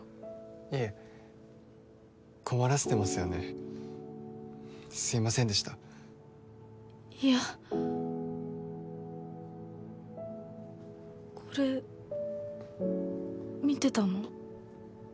いえ困らせてますよねすいませんでしたいやこれ見てたの？